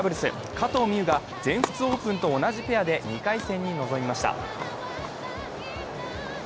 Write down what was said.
加藤未唯が全仏オープンと同じペアで２回戦に臨みました。